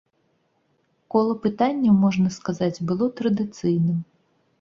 Кола пытанняў, можна сказаць, было традыцыйным.